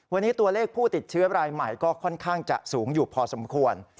วันนี้ตัวเลขผู้ติดเชื้อรายใหม่ก็ค่อนข้างจะสูงอยู่พอสมควร